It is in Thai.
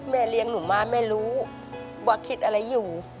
เลี้ยงหนูมาไม่รู้ว่าคิดอะไรอยู่